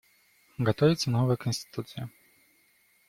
Готовится новая Конституция.